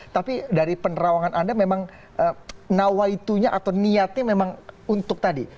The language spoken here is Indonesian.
tapi dari penerawangan anda memang nawaitunya atau niatnya memang untuk tadi